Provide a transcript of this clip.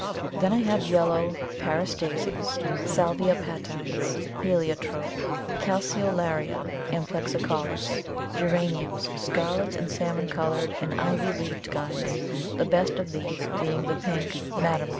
Then I have yellow Paris Daisies, Salvia patens, Heliotrope, Calceolaria amplexicaulis, Geraniums, scarlet and salmon coloured and ivy leaved kinds, the best of these being the pink Madame Crousse.